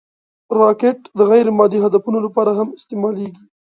راکټ د غیر مادي هدفونو لپاره هم استعمالېږي